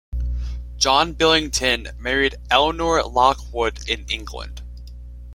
John Billington married Elinor Lockwood in England.